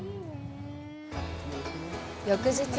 翌日。